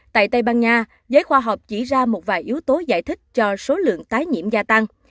tại tây ban nha giới khoa học chỉ ra một vài yếu tố giải thích cho số lượng tái nhiễm gia tăng